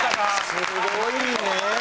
すごいね！